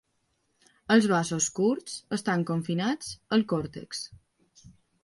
Els vasos curts estan confinats al còrtex.